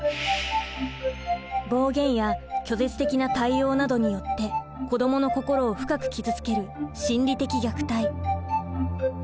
暴言や拒絶的な対応などによって子どもの心を深く傷つける心理的虐待。